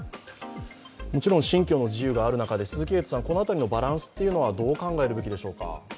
もちろん信教の自由がある中でこの辺りのバランスはどう考えるべきでしょうか。